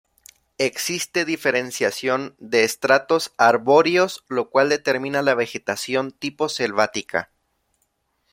Existe diferenciación de estratos arbóreos lo cual determina la vegetación tipo selvática.